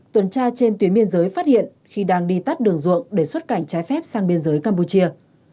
tuần tra trên tuyến biên giới phát hiện khi đang đi tắt đường ruộng để xuất cảnh trái phép sang biên giới campuchia